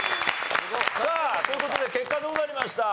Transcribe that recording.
さあという事で結果どうなりました？